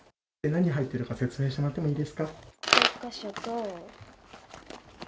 何入ってるか説明してもらってもいいですか？